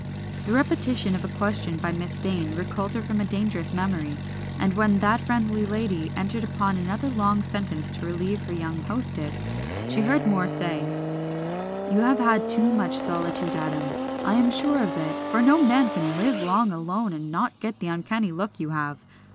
The repetition of a question by Miss Dane recalled her from a dangerous memory, and when that friendly lady entered upon another long sentence to relieve her young hostess, she heard Moor say "You have had too much solitude, Adam; I am sure of it, for no man can live long alone and not get the uncanny look you have.